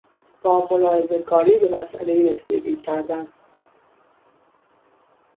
با ملاحظهکاری به مسئلهای رسیدگی کردن